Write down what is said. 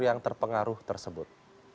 yang terpengaruh tersebut